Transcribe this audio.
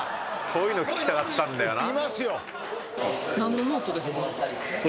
こういうの聞きたかったんだよな。